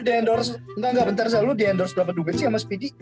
entar ga bentar lo di endorse berapa duben sih sama speedy